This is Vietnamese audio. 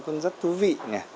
cũng rất thú vị